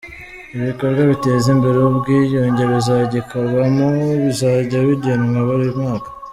Ibikorwa biteza imbere ubwiyunge bizagikorwamo bizajya bigenwa buri mwaka .